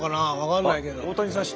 大谷さん